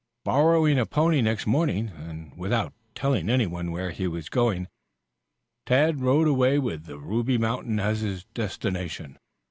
Borrowing a pony next morning, and without telling anyone where he was going, Tad rode away with the Ruby Mountain as his destination.